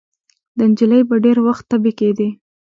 د نجلۍ به ډېر وخت تبې کېدې.